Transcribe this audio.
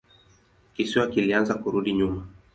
Kisiwa kilianza kurudi nyuma.